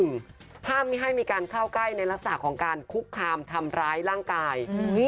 อึ้งจนเป็นข่าวใหญ่นะคะนี่ค่ะ๑ห้ามให้มีการเข้าใกล้ในลักษณะของการคุกคามทำร้ายร่างกาย